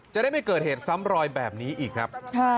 ไม่เกิดเหตุซ้ำรอยแบบนี้อีกครับ